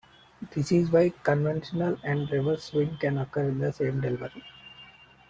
This is why conventional and reverse swing can occur in the same delivery.